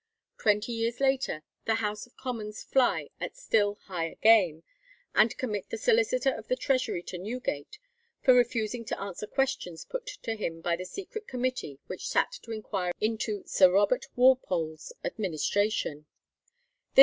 Twenty years later the House of Commons fly at still higher game, and commit the Solicitor of the Treasury to Newgate for refusing to answer questions put to him by the secret committee which sat to inquire into Sir Robert Walpole's administration.